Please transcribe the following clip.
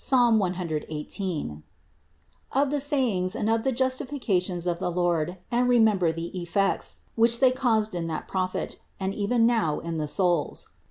118), of the sayings and of the justifications of the Lord ; and remember the effects, which they caused in that Prophet and even now in the souls.